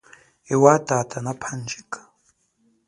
Ewa tata na pandjika.